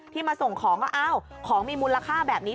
มาส่งของก็อ้าวของมีมูลค่าแบบนี้